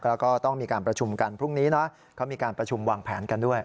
แล้วก็ต้องมีการประชุมกันพรุ่งนี้นะเขามีการประชุมวางแผนกันด้วย